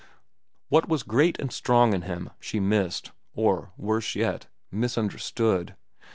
What was great and strong in him, she missed, or, worse yet, misunderstood.